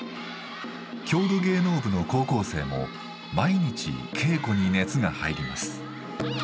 郷土芸能部の高校生も毎日稽古に熱が入ります。